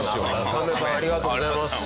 カメさんありがとうございます。